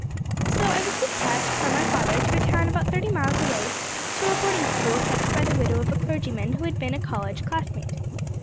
So I was despatched by my father to a town about thirty miles away, to a boarding school kept by the widow of a clergyman who had been a college classmate.